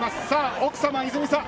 奥様の和泉さん